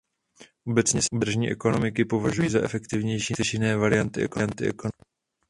Obecně se tržní ekonomiky považují za efektivnější než jiné varianty ekonomik.